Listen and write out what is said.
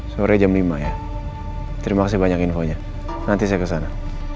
sore jam lima ya terima kasih banyak infonya nanti saya kesana